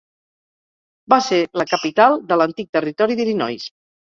Va ser la capital de l'antic Territori d'Illinois.